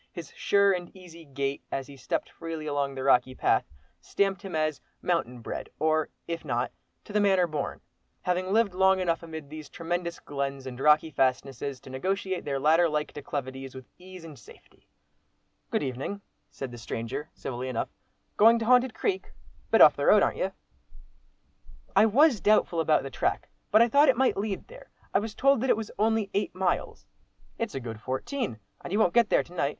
His sure and easy gait, as he stepped freely along the rocky path, stamped him as "mountain bred," or, if not "to the manner born," having lived long enough amid these tremendous glens and rocky fastnesses, to negotiate their ladder like declivities with ease and safety. "Good evening!" said the stranger, civilly enough. "Going to 'Haunted Creek?'—a bit off the road, ar'n't you?" "I was doubtful about the track, but I thought it might lead there. I was told that it was only eight miles." "It's a good fourteen, and you won't get there to night.